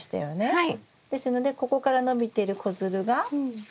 はい。